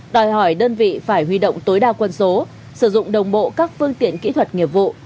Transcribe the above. đòi hỏi đơn vị phải huy động tối đa quân số sử dụng đồng bộ các phương tiện kỹ thuật nghiệp vụ